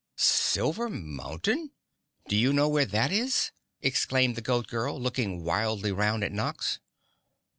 "Silver Mountain? Do you know where that is?" exclaimed the Goat Girl, looking wildly round at Nox.